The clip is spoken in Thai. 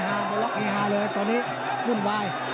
มาล็อกเฮฮาเลยตอนนี้วุ่นวาย